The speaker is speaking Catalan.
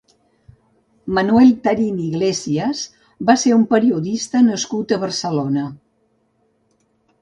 Manuel Tarín i Iglesias va ser un periodista nascut a Barcelona.